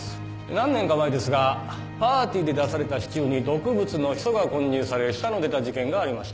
何年か前ですがパーティーで出されたシチューに毒物のヒ素が混入され死者の出た事件がありました。